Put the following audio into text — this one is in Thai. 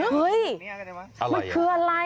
เฮ้ยมันคืออะไร